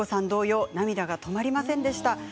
同様涙が止まりませんでした。